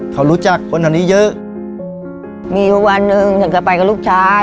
เขารู้จักคนแถวนี้เยอะมีอยู่วันหนึ่งฉันก็ไปกับลูกชาย